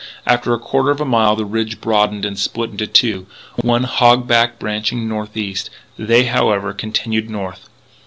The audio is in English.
After a quarter of a mile the ridge broadened and split into two, one hog back branching northeast! They, however, continued north.